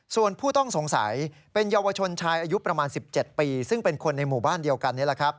ส่วนผู้ต้องสงสัยเป็นเยาวชนชายอายุประมาณ๑๗ปีซึ่งเป็นคนในหมู่บ้านเดียวกันนี่แหละครับ